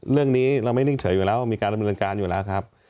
เรื่องนี้เราไม่นิ่งเฉยอยู่แล้วมีการดำเนินการอยู่แล้วครับ